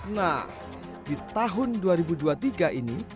nah di tahun dua ribu dua puluh tiga ini